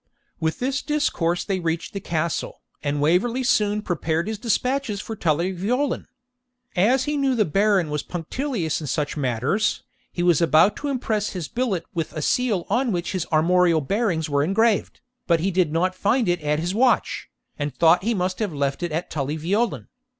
With this discourse they reached the castle, and Waverley soon prepared his despatches for Tully Veolan. As he knew the Baron was punctilious in such matters, he was about to impress his billet with a seal on which his armorial bearings were engraved, but he did not find it at his watch, and thought he must have left it at Tully Veolan.